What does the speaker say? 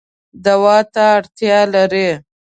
دوا ته اړتیا لرئ